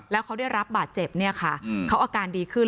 แล้วเขาได้รับบาดเจ็บเขาอาการดีขึ้น